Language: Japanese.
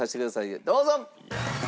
どうぞ！